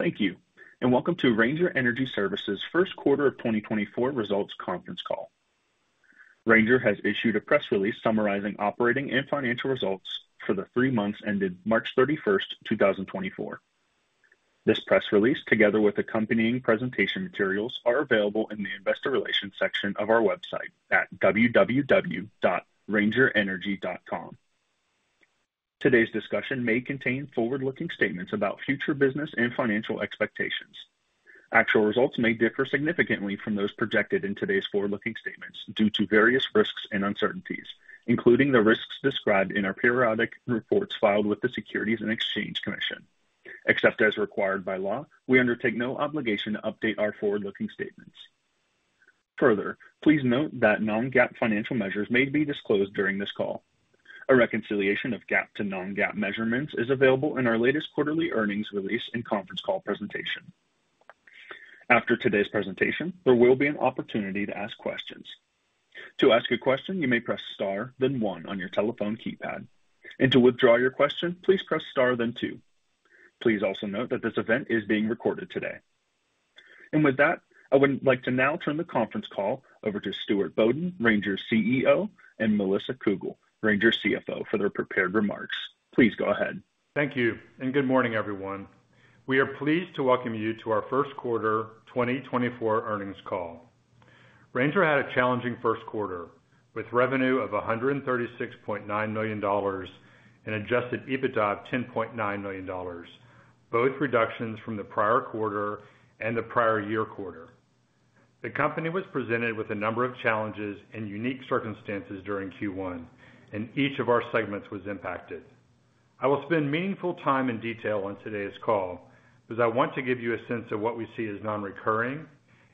Thank you, and welcome to Ranger Energy Services' first quarter of 2024 results conference call. Ranger has issued a press release summarizing operating and financial results for the three months ended March 31, 2024. This press release, together with accompanying presentation materials, are available in the Investor Relations section of our website at www.rangerenergy.com. Today's discussion may contain forward-looking statements about future business and financial expectations. Actual results may differ significantly from those projected in today's forward-looking statements due to various risks and uncertainties, including the risks described in our periodic reports filed with the Securities and Exchange Commission. Except as required by law, we undertake no obligation to update our forward-looking statements. Further, please note that non-GAAP financial measures may be disclosed during this call. A reconciliation of GAAP to non-GAAP measurements is available in our latest quarterly earnings release and conference call presentation. After today's presentation, there will be an opportunity to ask questions. To ask a question, you may press star, then one on your telephone keypad, and to withdraw your question, please press star, then two. Please also note that this event is being recorded today. With that, I would like to now turn the conference call over to Stuart Bodden, Ranger's CEO, and Melissa Cougle, Ranger's CFO, for their prepared remarks. Please go ahead. Thank you, and good morning, everyone. We are pleased to welcome you to our first quarter 2024 earnings call. Ranger had a challenging first quarter, with revenue of $136.9 million and adjusted EBITDA of $10.9 million, both reductions from the prior quarter and the prior year quarter. The company was presented with a number of challenges and unique circumstances during Q1, and each of our segments was impacted. I will spend meaningful time in detail on today's call, because I want to give you a sense of what we see as non-recurring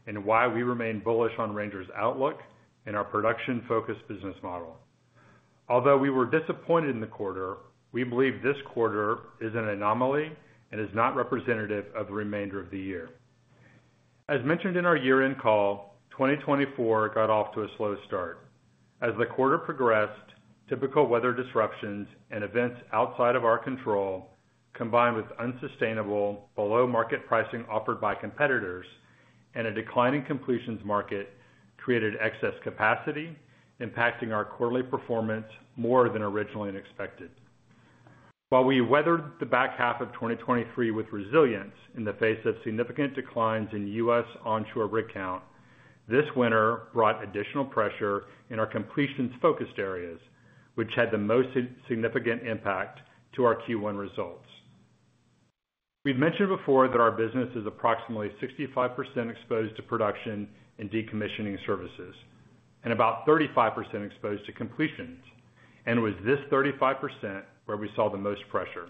and why we remain bullish on Ranger's outlook and our production-focused business model. Although we were disappointed in the quarter, we believe this quarter is an anomaly and is not representative of the remainder of the year. As mentioned in our year-end call, 2024 got off to a slow start. As the quarter progressed, typical weather disruptions and events outside of our control, combined with unsustainable below-market pricing offered by competitors and a declining completions market, created excess capacity, impacting our quarterly performance more than originally unexpected. While we weathered the back half of 2023 with resilience in the face of significant declines in U.S. onshore rig count, this winter brought additional pressure in our completions-focused areas, which had the most significant impact to our Q1 results. We've mentioned before that our business is approximately 65% exposed to production and decommissioning services and about 35% exposed to completions, and it was this 35% where we saw the most pressure.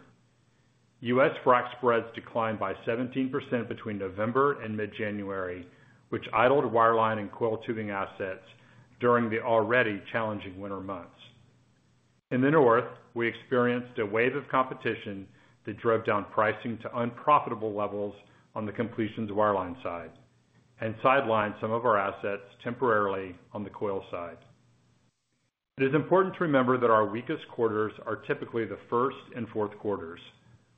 U.S. frac spreads declined by 17% between November and mid-January, which idled wireline and coiled tubing assets during the already challenging winter months. In the North, we experienced a wave of competition that drove down pricing to unprofitable levels on the completions wireline side and sidelined some of our assets temporarily on the coil side. It is important to remember that our weakest quarters are typically the first and fourth quarters,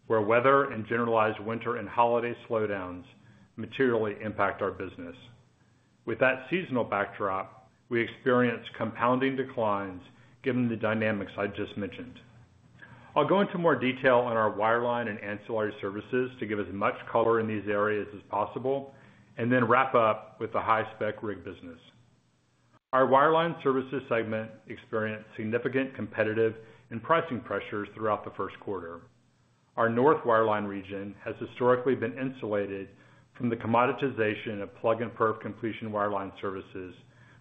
where weather and generalized winter and holiday slowdowns materially impact our business. With that seasonal backdrop, we experienced compounding declines given the dynamics I just mentioned. I'll go into more detail on our wireline and ancillary services to give as much color in these areas as possible, and then wrap up with the high-spec rig business. Our wireline services segment experienced significant competitive and pricing pressures throughout the first quarter. Our North wireline region has historically been insulated from the commoditization of plug and perf completion wireline services,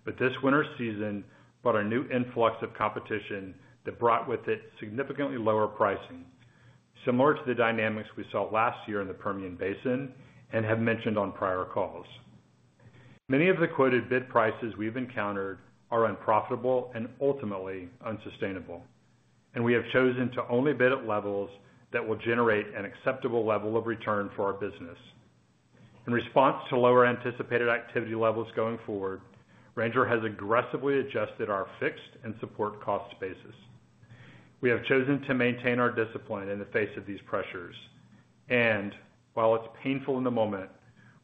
but this winter season brought a new influx of competition that brought with it significantly lower pricing, similar to the dynamics we saw last year in the Permian Basin and have mentioned on prior calls. Many of the quoted bid prices we've encountered are unprofitable and ultimately unsustainable, and we have chosen to only bid at levels that will generate an acceptable level of return for our business. In response to lower anticipated activity levels going forward, Ranger has aggressively adjusted our fixed and support cost basis. We have chosen to maintain our discipline in the face of these pressures, and while it's painful in the moment,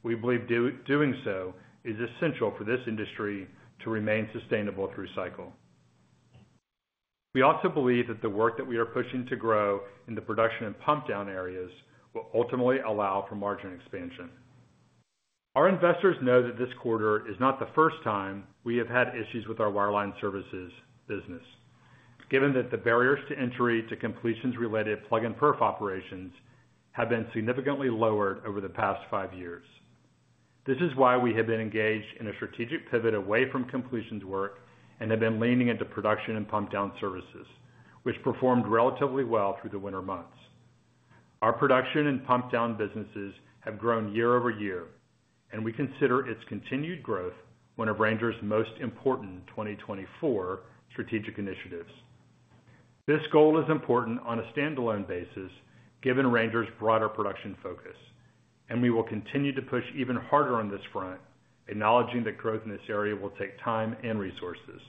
we believe doing so is essential for this industry to remain sustainable through cycle. We also believe that the work that we are pushing to grow in the production and pump down areas will ultimately allow for margin expansion. Our investors know that this quarter is not the first time we have had issues with our wireline services business, given that the barriers to entry to completions-related plug and perf operations have been significantly lowered over the past five years. This is why we have been engaged in a strategic pivot away from completions work and have been leaning into production and pump down services, which performed relatively well through the winter months. Our production and pump down businesses have grown year-over-year, and we consider its continued growth one of Ranger's most important 2024 strategic initiatives. This goal is important on a standalone basis, given Ranger's broader production focus, and we will continue to push even harder on this front, acknowledging that growth in this area will take time and resources...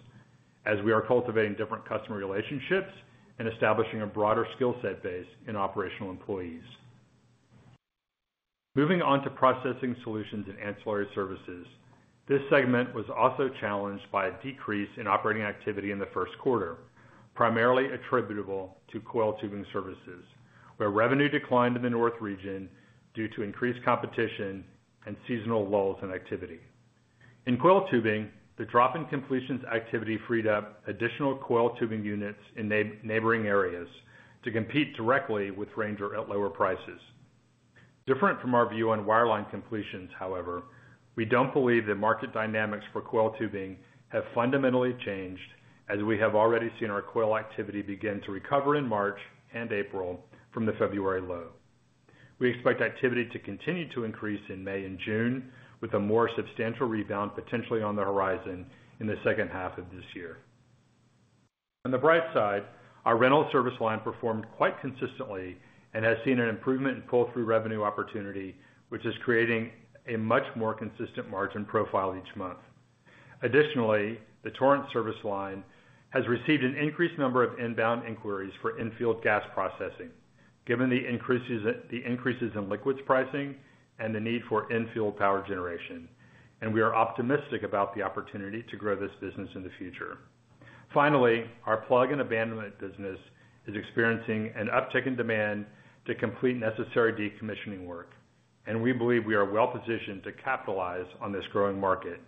as we are cultivating different customer relationships and establishing a broader skill set base in operational employees. Moving on to processing solutions and ancillary services. This segment was also challenged by a decrease in operating activity in the first quarter, primarily attributable to coiled tubing services, where revenue declined in the North Region due to increased competition and seasonal lulls in activity. In coiled tubing, the drop in completions activity freed up additional coiled tubing units in neighboring areas to compete directly with Ranger at lower prices. Different from our view on wireline completions, however, we don't believe that market dynamics for coiled tubing have fundamentally changed, as we have already seen our coiled activity begin to recover in March and April from the February low. We expect activity to continue to increase in May and June, with a more substantial rebound potentially on the horizon in the second half of this year. On the bright side, our rental service line performed quite consistently and has seen an improvement in pull-through revenue opportunity, which is creating a much more consistent margin profile each month. Additionally, the Torrent service line has received an increased number of inbound inquiries for infield gas processing, given the increases in liquids pricing and the need for infield power generation, and we are optimistic about the opportunity to grow this business in the future. Finally, our plug and abandonment business is experiencing an uptick in demand to complete necessary decommissioning work, and we believe we are well positioned to capitalize on this growing market.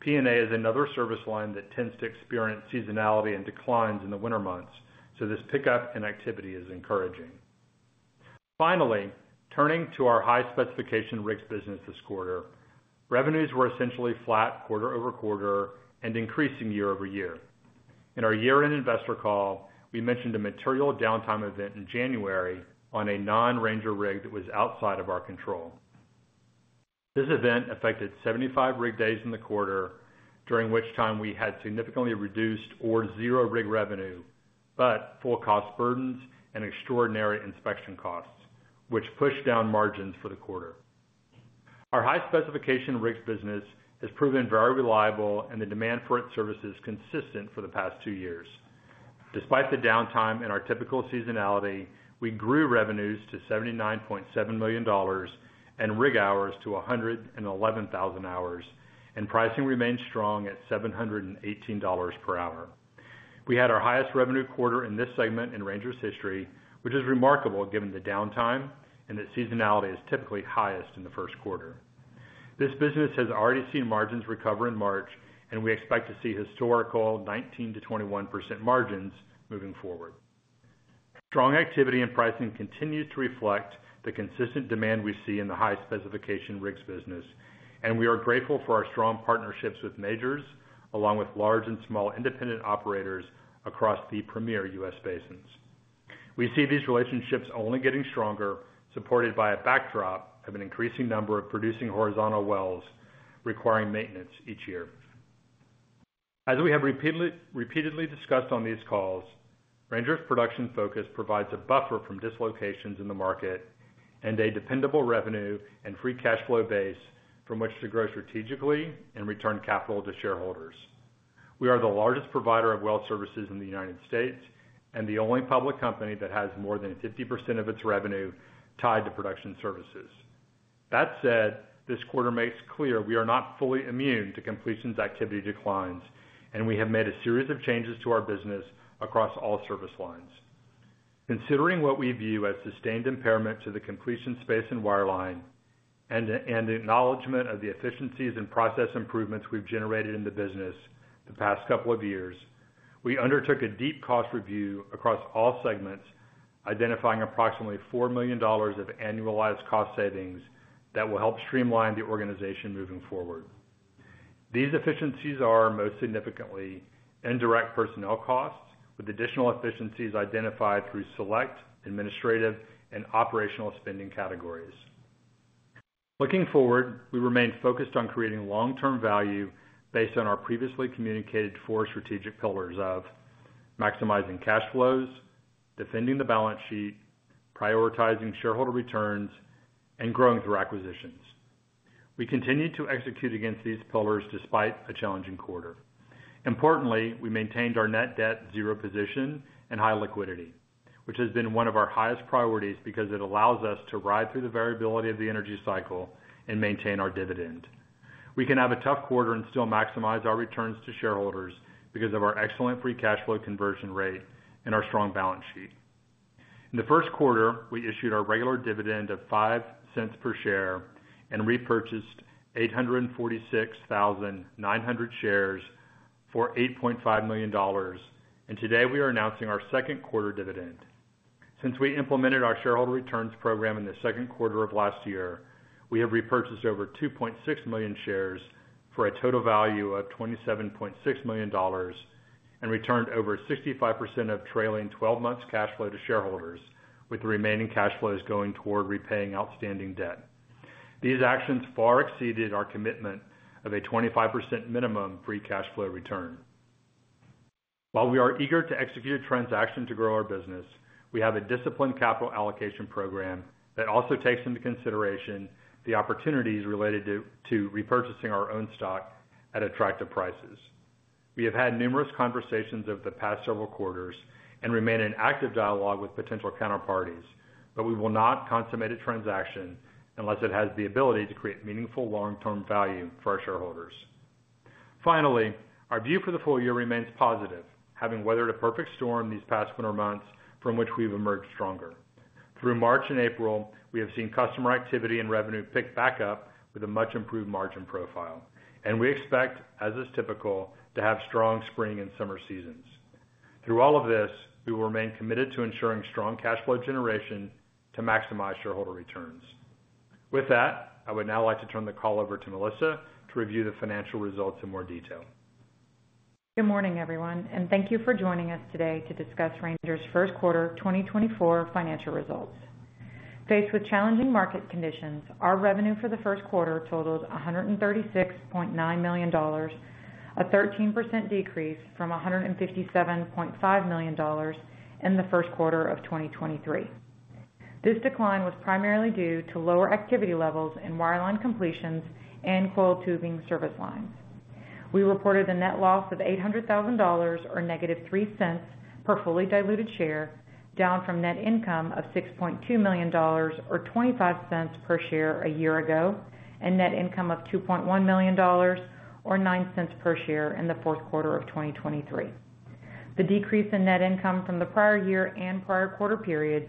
P&A is another service line that tends to experience seasonality and declines in the winter months, so this pickup in activity is encouraging. Finally, turning to our high-specification rigs business this quarter. Revenues were essentially flat quarter-over-quarter and increasing year-over-year. In our year-end investor call, we mentioned a material downtime event in January on a non-Ranger rig that was outside of our control. This event affected 75 rig days in the quarter, during which time we had significantly reduced or zero rig revenue, but full cost burdens and extraordinary inspection costs, which pushed down margins for the quarter. Our high-specification rigs business has proven very reliable and the demand for its services consistent for the past two years. Despite the downtime and our typical seasonality, we grew revenues to $79.7 million and rig hours to 111,000 hours, and pricing remained strong at $718 per hour. We had our highest revenue quarter in this segment in Ranger's history, which is remarkable given the downtime and that seasonality is typically highest in the first quarter. This business has already seen margins recover in March, and we expect to see historical 19%-21% margins moving forward. Strong activity and pricing continue to reflect the consistent demand we see in the high-specification rigs business, and we are grateful for our strong partnerships with majors, along with large and small independent operators across the premier U.S. basins. We see these relationships only getting stronger, supported by a backdrop of an increasing number of producing horizontal wells requiring maintenance each year. As we have repeatedly discussed on these calls, Ranger's production focus provides a buffer from dislocations in the market and a dependable revenue and free cash flow base from which to grow strategically and return capital to shareholders. We are the largest provider of well services in the United States and the only public company that has more than 50% of its revenue tied to production services. That said, this quarter makes clear we are not fully immune to completions activity declines, and we have made a series of changes to our business across all service lines. Considering what we view as sustained impairment to the completion space and wireline and the acknowledgement of the efficiencies and process improvements we've generated in the business the past couple of years, we undertook a deep cost review across all segments, identifying approximately $4 million of annualized cost savings that will help streamline the organization moving forward. These efficiencies are most significantly indirect personnel costs, with additional efficiencies identified through select, administrative, and operational spending categories. Looking forward, we remain focused on creating long-term value based on our previously communicated four strategic pillars of maximizing cash flows, defending the balance sheet, prioritizing shareholder returns, and growing through acquisitions. We continue to execute against these pillars despite a challenging quarter. Importantly, we maintained our net debt zero position and high liquidity, which has been one of our highest priorities because it allows us to ride through the variability of the energy cycle and maintain our dividend. We can have a tough quarter and still maximize our returns to shareholders because of our excellent free cash flow conversion rate and our strong balance sheet. In the first quarter, we issued our regular dividend of $0.05 per share and repurchased 846,900 shares for $8.5 million, and today we are announcing our second quarter dividend. Since we implemented our shareholder returns program in the second quarter of last year, we have repurchased over 2.6 million shares for a total value of $27.6 million and returned over 65% of trailing 12 months cash flow to shareholders, with the remaining cash flows going toward repaying outstanding debt. These actions far exceeded our commitment of a 25% minimum free cash flow return. While we are eager to execute a transaction to grow our business, we have a disciplined capital allocation program that also takes into consideration the opportunities related to repurchasing our own stock at attractive prices. We have had numerous conversations over the past several quarters and remain in active dialogue with potential counterparties, but we will not consummate a transaction unless it has the ability to create meaningful long-term value for our shareholders. Finally, our view for the full year remains positive, having weathered a perfect storm these past winter months from which we've emerged stronger. Through March and April, we have seen customer activity and revenue pick back up with a much improved margin profile, and we expect, as is typical, to have strong spring and summer seasons. Through all of this, we will remain committed to ensuring strong cash flow generation to maximize shareholder returns. With that, I would now like to turn the call over to Melissa to review the financial results in more detail. Good morning, everyone, and thank you for joining us today to discuss Ranger's first quarter 2024 financial results. Faced with challenging market conditions, our revenue for the first quarter totaled $136.9 million, a 13% decrease from $157.5 million in the first quarter of 2023. This decline was primarily due to lower activity levels in wireline completions and coiled tubing service lines. We reported a net loss of $800,000, or -$0.03 per fully diluted share, down from net income of $6.2 million or $0.25 per share a year ago, and net income of $2.1 million or $0.09 per share in the fourth quarter of 2023. The decrease in net income from the prior year and prior quarter periods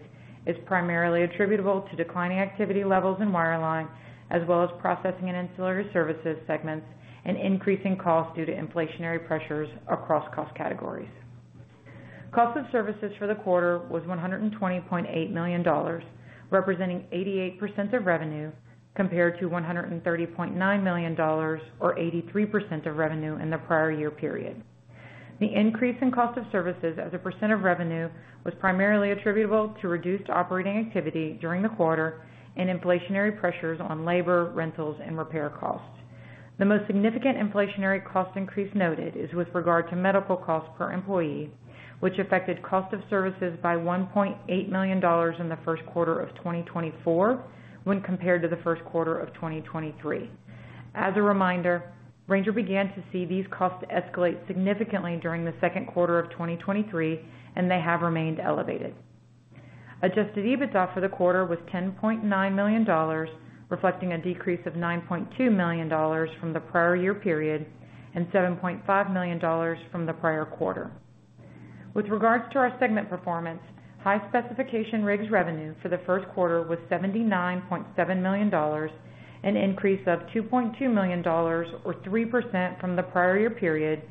is primarily attributable to declining activity levels in wireline, as well as processing and ancillary services segments, and increasing costs due to inflationary pressures across cost categories. Cost of services for the quarter was $120.8 million, representing 88% of revenue, compared to $130.9 million or 83% of revenue in the prior year period. The increase in cost of services as a percent of revenue was primarily attributable to reduced operating activity during the quarter and inflationary pressures on labor, rentals, and repair costs. The most significant inflationary cost increase noted is with regard to medical costs per employee, which affected cost of services by $1.8 million in the first quarter of 2024, when compared to the first quarter of 2023. As a reminder, Ranger began to see these costs escalate significantly during the second quarter of 2023, and they have remained elevated. Adjusted EBITDA for the quarter was $10.9 million, reflecting a decrease of $9.2 million from the prior year period and $7.5 million from the prior quarter. With regards to our segment performance, high specification rigs revenue for the first quarter was $79.7 million, an increase of $2.2 million or 3% from the prior year period,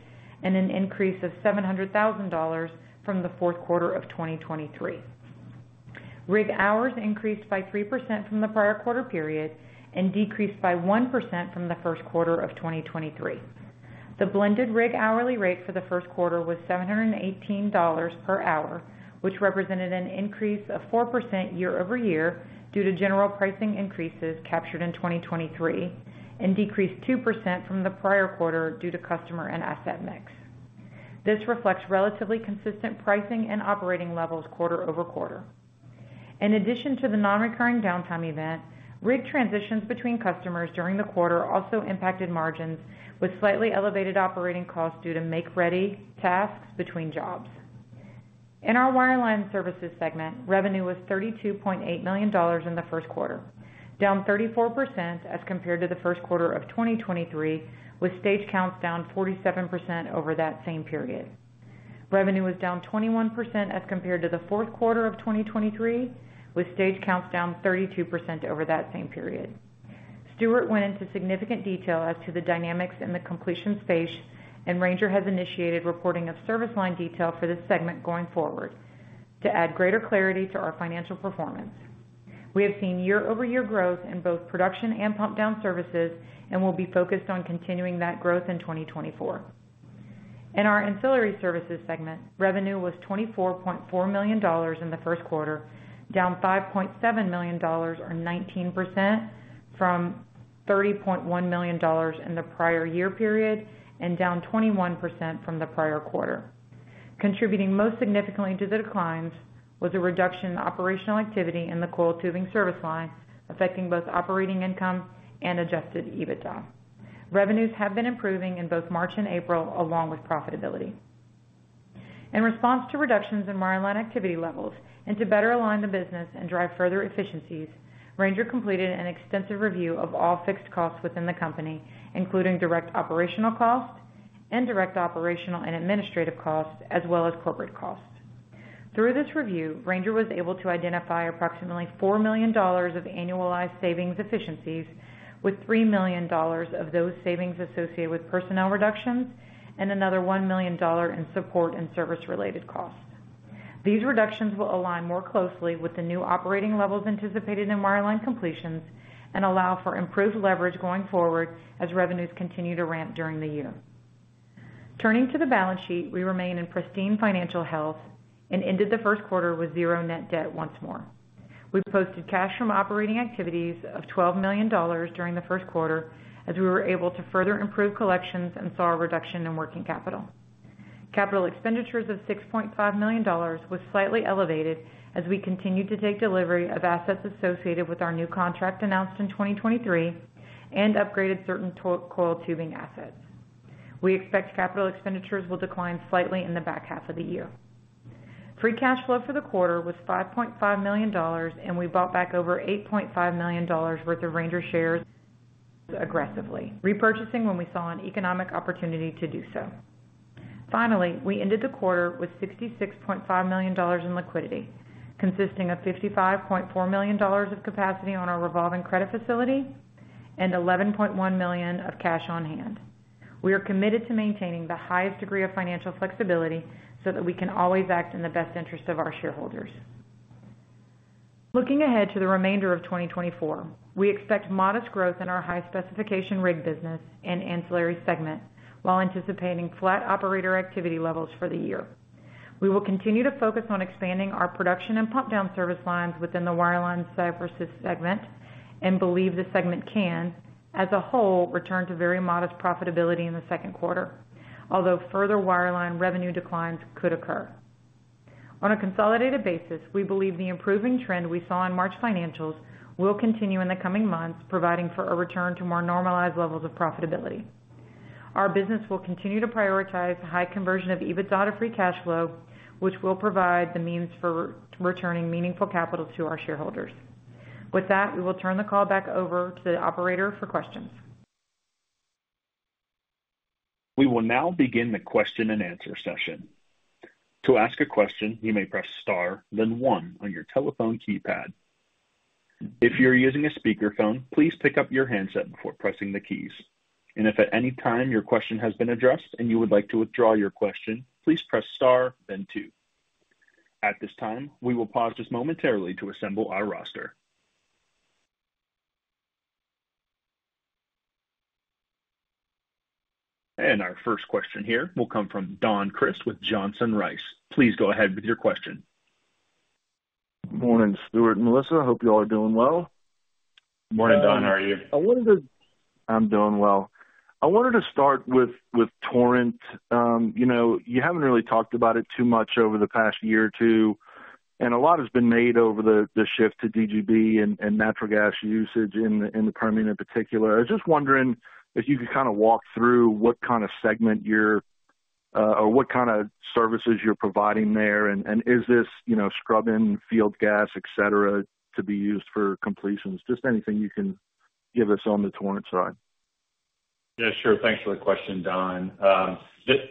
and an increase of $700,000 from the fourth quarter of 2023. Rig hours increased by 3% from the prior quarter period and decreased by 1% from the first quarter of 2023. The blended rig hourly rate for the first quarter was $718 per hour, which represented an increase of 4% year-over-year due to general pricing increases captured in 2023, and decreased 2% from the prior quarter due to customer and asset mix. This reflects relatively consistent pricing and operating levels quarter-over-quarter. In addition to the nonrecurring downtime event, rig transitions between customers during the quarter also impacted margins, with slightly elevated operating costs due to make-ready tasks between jobs. In our wireline services segment, revenue was $32.8 million in the first quarter, down 34% as compared to the first quarter of 2023, with stage counts down 47% over that same period. Revenue was down 21% as compared to the fourth quarter of 2023, with stage counts down 32% over that same period. Stuart went into significant detail as to the dynamics in the completion space, and Ranger has initiated reporting of service line detail for this segment going forward to add greater clarity to our financial performance. We have seen year-over-year growth in both production and pump down services and will be focused on continuing that growth in 2024. In our ancillary services segment, revenue was $24.4 million in the first quarter, down $5.7 million or 19% from $30.1 million in the prior year period and down 21% from the prior quarter. Contributing most significantly to the declines was a reduction in operational activity in the coiled tubing service line, affecting both operating income and adjusted EBITDA. Revenues have been improving in both March and April, along with profitability. In response to reductions in wireline activity levels and to better align the business and drive further efficiencies, Ranger completed an extensive review of all fixed costs within the company, including direct operational costs and direct operational and administrative costs, as well as corporate costs. Through this review, Ranger was able to identify approximately $4 million of annualized savings efficiencies, with $3 million of those savings associated with personnel reductions and another $1 million in support and service-related costs. These reductions will align more closely with the new operating levels anticipated in wireline completions and allow for improved leverage going forward as revenues continue to ramp during the year. Turning to the balance sheet, we remain in pristine financial health and ended the first quarter with 0 net debt once more. We posted cash from operating activities of $12 million during the first quarter, as we were able to further improve collections and saw a reduction in working capital. Capital expenditures of $6.5 million was slightly elevated as we continued to take delivery of assets associated with our new contract announced in 2023 and upgraded certain coiled tubing assets. We expect capital expenditures will decline slightly in the back half of the year. Free cash flow for the quarter was $5.5 million, and we bought back over $8.5 million worth of Ranger shares aggressively, repurchasing when we saw an economic opportunity to do so. Finally, we ended the quarter with $66.5 million in liquidity, consisting of $55.4 million of capacity on our revolving credit facility and $11.1 million of cash on hand. We are committed to maintaining the highest degree of financial flexibility so that we can always act in the best interest of our shareholders. Looking ahead to the remainder of 2024, we expect modest growth in our high-specification rig business and ancillary segment, while anticipating flat operator activity levels for the year. We will continue to focus on expanding our production and pump down service lines within the wireline services segment and believe the segment can, as a whole, return to very modest profitability in the second quarter, although further wireline revenue declines could occur. On a consolidated basis, we believe the improving trend we saw in March financials will continue in the coming months, providing for a return to more normalized levels of profitability. Our business will continue to prioritize the high conversion of EBITDA free cash flow, which will provide the means for returning meaningful capital to our shareholders. With that, we will turn the call back over to the operator for questions. We will now begin the question-and-answer session. To ask a question, you may press star, then one on your telephone keypad. If you're using a speakerphone, please pick up your handset before pressing the keys. And if at any time your question has been addressed and you would like to withdraw your question, please press star then two. At this time, we will pause just momentarily to assemble our roster. And our first question here will come from Don Crist with Johnson Rice. Please go ahead with your question. Morning, Stuart and Melissa. Hope you all are doing well. Morning, Don. How are you? I'm doing well. I wanted to start with Torrent. You know, you haven't really talked about it too much over the past year or two, and a lot has been made over the shift to DGB and natural gas usage in the Permian in particular. I was just wondering if you could kind of walk through what kind of segment you're or what kind of services you're providing there. And is this, you know, scrubbing field gas, et cetera, to be used for completions? Just anything you can give us on the Torrent side. Yeah, sure. Thanks for the question, Don.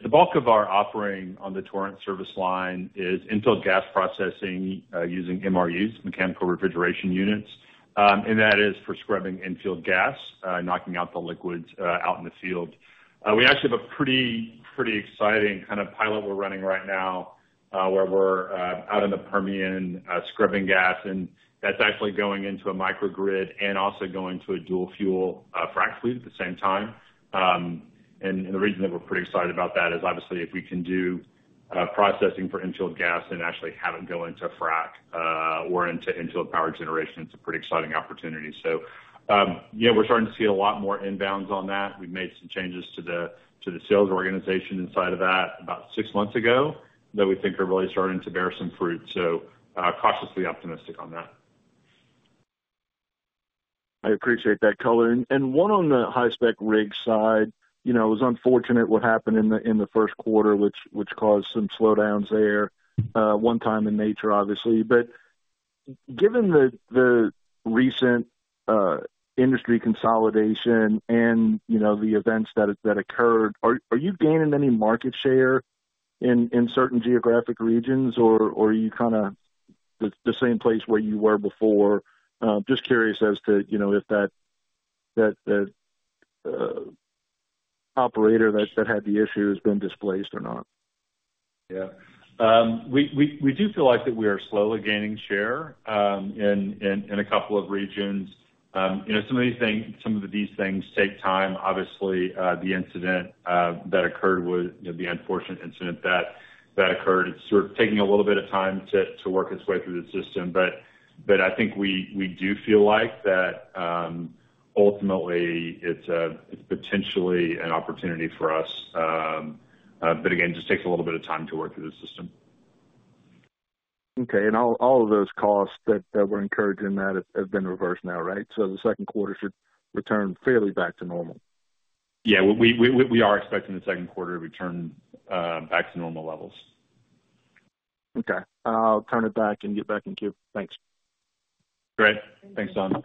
The bulk of our offering on the Torrent service line is infield gas processing, using MRUs, mechanical refrigeration units, and that is for scrubbing infield gas, knocking out the liquids, out in the field. We actually have a pretty exciting kind of pilot we're running right now, where we're out in the Permian, scrubbing gas, and that's actually going into a microgrid and also going to a dual-fuel frac fleet at the same time. And the reason that we're pretty excited about that is obviously, if we can do processing for infield gas and actually have it go into frac or into infield power generation, it's a pretty exciting opportunity. So, yeah, we're starting to see a lot more inbounds on that. We've made some changes to the sales organization inside of that about six months ago, that we think are really starting to bear some fruit, so cautiously optimistic on that. I appreciate that color. And one on the high-spec rig side. You know, it was unfortunate what happened in the first quarter, which caused some slowdowns there, one-time in nature, obviously. But given the recent industry consolidation and, you know, the events that occurred, are you gaining any market share in certain geographic regions? Or are you kind of the same place where you were before? Just curious as to, you know, if that operator that had the issue has been displaced or not. Yeah. We do feel like that we are slowly gaining share in a couple of regions. You know, some of these things take time. Obviously, the incident that occurred was, you know, the unfortunate incident that occurred. It's sort of taking a little bit of time to work its way through the system. But I think we do feel like that, ultimately it's potentially an opportunity for us. But again, just takes a little bit of time to work through the system. Okay. And all of those costs that were incurred in that have been reversed now, right? So the second quarter should return fairly back to normal. Yeah. We are expecting the second quarter to return back to normal levels. Okay. I'll turn it back and get back in queue. Thanks. Great. Thanks, Don.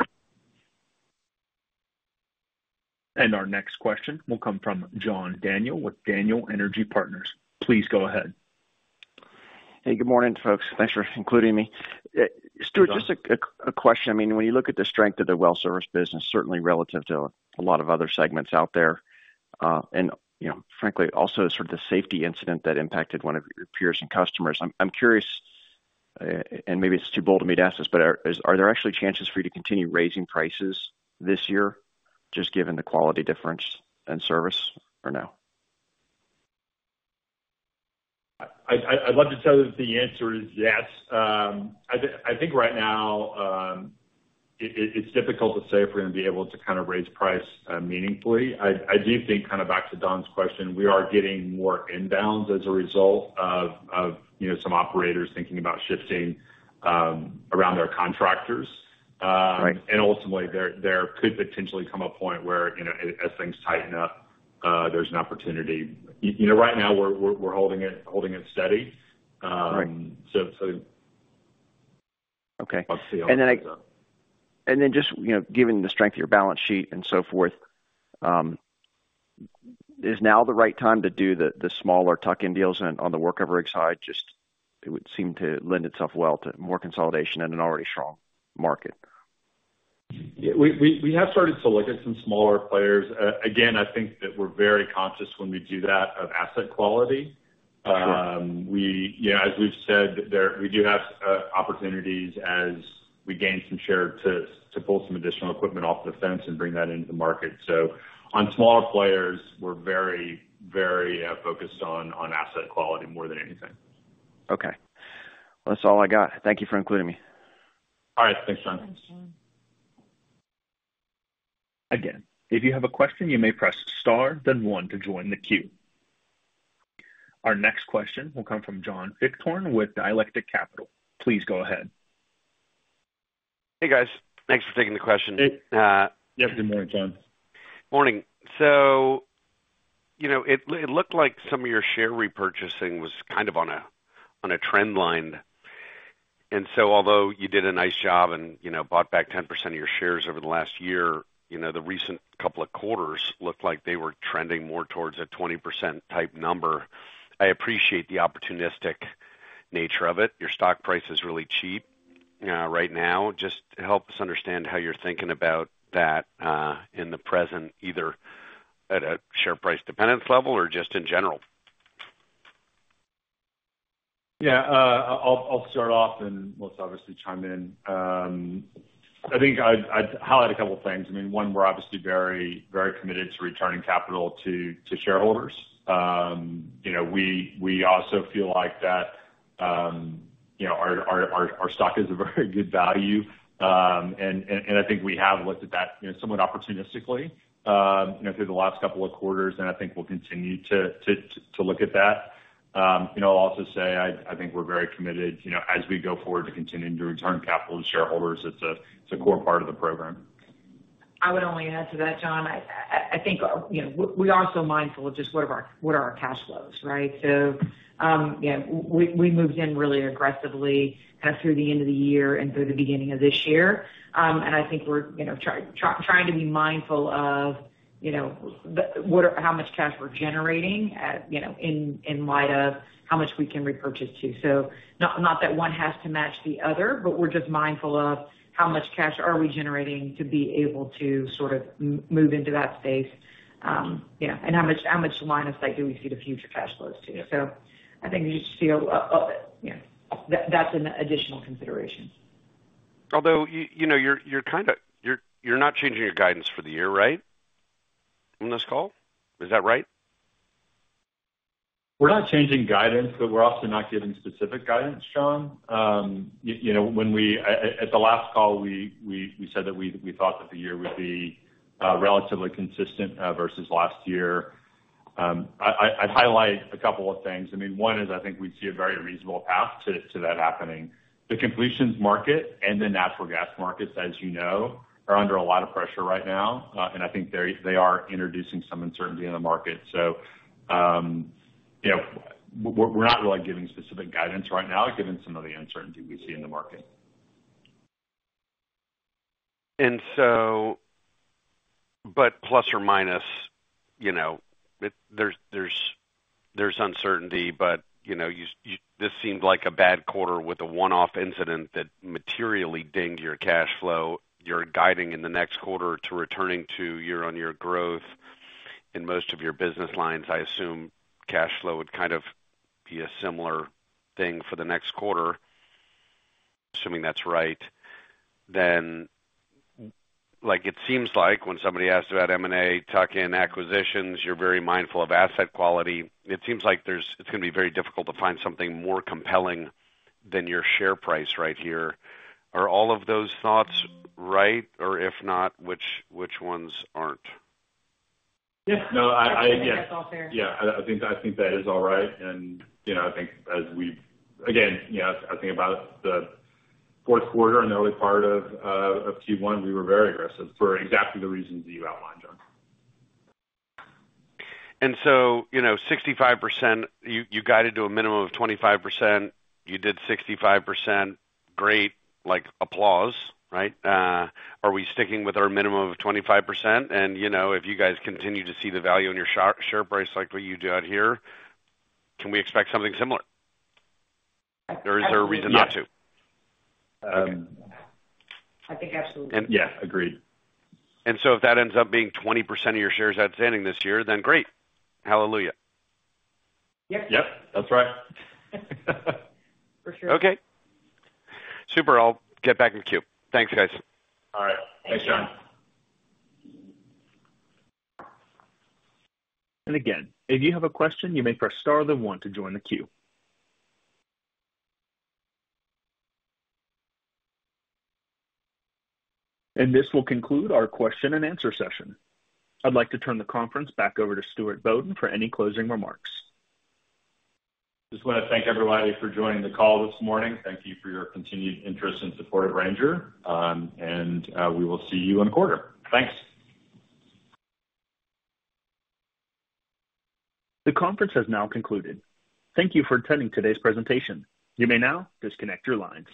Our next question will come from John Daniel with Daniel Energy Partners. Please go ahead. Hey, good morning, folks. Thanks for including me. Stuart, just a question. I mean, when you look at the strength of the well service business, certainly relative to a lot of other segments out there, and, you know, frankly, also sort of the safety incident that impacted one of your peers and customers. I'm curious, and maybe it's too bold of me to ask this, but are there actually chances for you to continue raising prices this year, just given the quality difference in service, or no? I'd love to tell you that the answer is yes. I think right now, it's difficult to say if we're gonna be able to kind of raise price meaningfully. I do think, kind of back to Don's question, we are getting more inbounds as a result of, you know, some operators thinking about shifting around their contractors. Right. And ultimately, there could potentially come a point where, you know, as things tighten up, there's an opportunity. You know, right now, we're holding it steady. Right. So, so- Okay. Let's see how it goes. And then just, you know, given the strength of your balance sheet and so forth, is now the right time to do the, the smaller tuck-in deals on, on the workover rigs side? Just, it would seem to lend itself well to more consolidation in an already strong market. Yeah, we have started to look at some smaller players. Again, I think that we're very conscious when we do that, of asset quality. Sure. Yeah, as we've said, there, we do have opportunities as we gain some share to, to pull some additional equipment off the fence and bring that into the market. So on smaller players, we're very, very focused on asset quality more than anything. Okay. That's all I got. Thank you for including me. All right. Thanks, John. Thanks, John. Again, if you have a question, you may press star, then one to join the queue. Our next question will come from John Fichthorn with Dialectic Capital. Please go ahead. Hey, guys. Thanks for taking the question. Hey. Yeah, good morning, John. Morning. So, you know, it, it looked like some of your share repurchasing was kind of on a, on a trend line. And so although you did a nice job and, you know, bought back 10% of your shares over the last year, you know, the recent couple of quarters looked like they were trending more towards a 20% type number. I appreciate the opportunistic nature of it. Your stock price is really cheap right now. Just help us understand how you're thinking about that in the present, either at a share price dependence level or just in general. Yeah, I'll start off, and Melissa will obviously chime in. I think I'd highlight a couple things. I mean, one, we're obviously very, very committed to returning capital to shareholders. You know, we also feel like that, you know, our stock is a very good value. And I think we have looked at that, you know, somewhat opportunistically, you know, through the last couple of quarters, and I think we'll continue to look at that. You know, I'll also say I think we're very committed, you know, as we go forward, to continuing to return capital to shareholders. It's a core part of the program. I would only add to that, John, I think, you know, we are also mindful of just what are our, what are our cash flows, right? So, yeah, we, we moved in really aggressively kind of through the end of the year and through the beginning of this year. And I think we're, you know, trying to be mindful of, you know, the, what are... How much cash we're generating at, you know, in, in light of how much we can repurchase to. So not, not that one has to match the other, but we're just mindful of how much cash are we generating to be able to sort of move into that space. Yeah, and how much, how much line of sight do we see the future cash flows, too? Yeah. I think you just feel, you know, that's an additional consideration. Although, you know, you're kind of not changing your guidance for the year, right? On this call. Is that right? We're not changing guidance, but we're also not giving specific guidance, John. You know, at the last call, we said that we thought that the year would be relatively consistent versus last year. I'd highlight a couple of things. I mean, one is, I think we see a very reasonable path to that happening. The completions market and the natural gas markets, as you know, are under a lot of pressure right now, and I think they are introducing some uncertainty in the market. So, you know, we're not really giving specific guidance right now, given some of the uncertainty we see in the market. But plus or minus, you know, it, there's uncertainty, but, you know, you this seemed like a bad quarter with a one-off incident that materially dinged your cash flow. You're guiding in the next quarter to returning to year-on-year growth in most of your business lines. I assume cash flow would kind of be a similar thing for the next quarter. Assuming that's right, then, like, it seems like when somebody asks about M&A, tuck-in acquisitions, you're very mindful of asset quality. It seems like it's gonna be very difficult to find something more compelling than your share price right here. Are all of those thoughts right? Or if not, which ones aren't? Yeah. No... I think that's all fair. Yeah, I think that is all right, and, you know, I think as we... Again, you know, I think about the fourth quarter and the early part of Q1, we were very aggressive for exactly the reasons you outlined, John. You know, 65%, you, you guided to a minimum of 25%. You did 65%. Great, like, applause, right? Are we sticking with our minimum of 25%? And, you know, if you guys continue to see the value in your share price like what you do out here, can we expect something similar? Or is there a reason not to? Um- I think absolutely. Yeah, agreed. And so if that ends up being 20% of your shares outstanding this year, then great. Hallelujah. Yep. Yep, that's right. For sure. Okay. Super, I'll get back in the queue. Thanks, guys. All right. Thank you. Thanks, John. And again, if you have a question, you may press star then one to join the queue. And this will conclude our question and answer session. I'd like to turn the conference back over to Stuart Bodden for any closing remarks. Just wanna thank everybody for joining the call this morning. Thank you for your continued interest and support of Ranger. We will see you in a quarter. Thanks. The conference has now concluded. Thank you for attending today's presentation. You may now disconnect your lines.